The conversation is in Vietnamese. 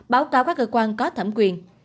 báo cáo các cơ quan có thẩm quyền